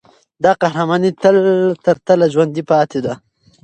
دا قهرماني تله ترتله ژوندي پاتې ده.